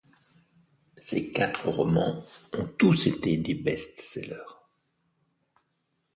Ses quatre romans ont tous été des best-sellers.